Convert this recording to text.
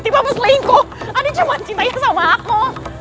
adi bukan tipe apa selingkuh adi cuma cintanya sama aku